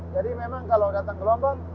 jadi memang kalau datang ke lombang